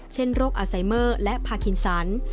เช่นโรคอัลไซเมอร์และพาคินสัน